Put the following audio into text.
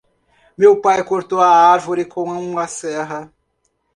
Meu pai cortou a árvore com uma serra.